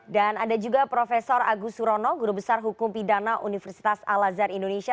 dan ada juga profesor agus surono guru besar hukum pidana universitas al azhar indonesia